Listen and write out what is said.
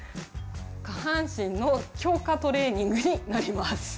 下半身の強化トレーニングになります。